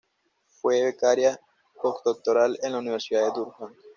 Fue becaria postdoctoral en la Universidad de Durham.